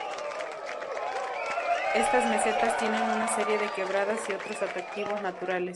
Estas mesetas tienen una serie de quebradas y otros atractivos naturales.